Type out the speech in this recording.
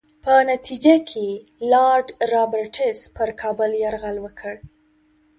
په نتیجه کې لارډ رابرټس پر کابل یرغل وکړ.